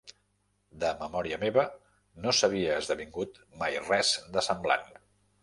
De memòria meva, no s'havia esdevingut mai res de semblant.